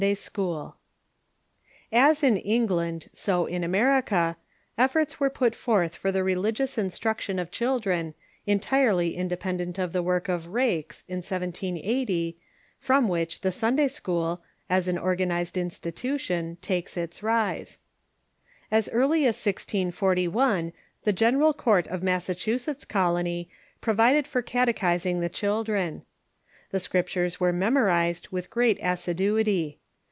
(N.Y., 188(5).] As in England so in America, efforts were put forth for the religious instruction of children, entirely independent of the work of Raikes, in 1780, from which the Sunday American <^pl^Qol ag an organized institution, takes its rise. As Beginnings '^ nr i early as 1641 the General Court" of Massachusetts Colony provided for catechising the children. The Scriptures were memorized with great assiduity.